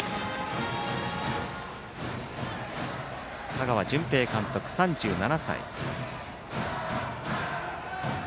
香川純平監督、３７歳。